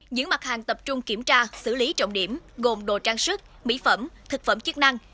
những mặt hàng tập trung kiểm tra xử lý trọng điểm gồm đồ trang sức mỹ phẩm thực phẩm chức năng